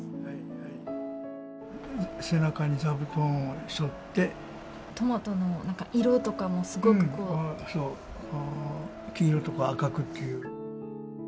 背中に座布団をしょってトマトの色とかもすごく黄色とか赤くっていう。